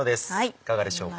いかがでしょうか？